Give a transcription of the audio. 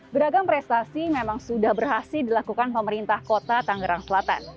beragam prestasi memang sudah berhasil dilakukan pemerintah kota tangerang selatan